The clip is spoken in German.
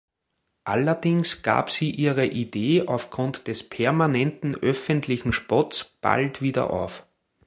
Allerdings gab sie ihre Idee auf Grund des permanenten öffentlichen Spotts bald wieder auf.